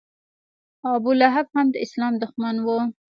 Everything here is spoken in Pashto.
ابولهب هم د اسلام دښمن و.